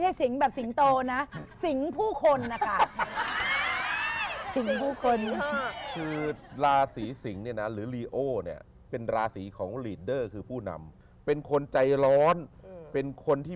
อย่างให้ใครใครคนเกิดในราศนีแหวนหรือใครอยู่ร้านราศนีก็จะมีความเป็นผู้นำ